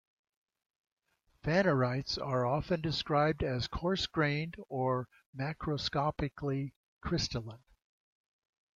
Phanerites are often described as "coarse grained" or "macroscopically crystalline".